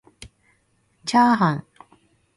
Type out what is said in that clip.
ちゃーはん